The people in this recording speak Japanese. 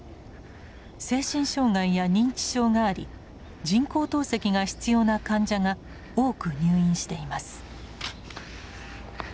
精神障害や認知症があり人工透析が必要な患者が多く入院しています。